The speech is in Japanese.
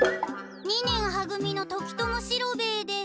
二年は組の時友四郎兵衛です。